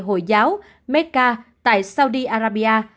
hồi giáo mecca tại saudi arabia